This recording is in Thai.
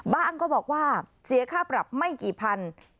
ก็บอกว่าเสียค่าปรับไม่กี่พัน